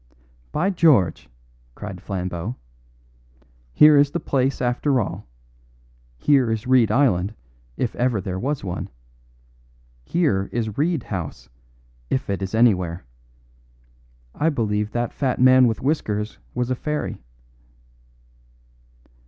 "By George!" cried Flambeau; "here is the place, after all! Here is Reed Island, if ever there was one. Here is Reed House, if it is anywhere. I believe that fat man with whiskers was a fairy."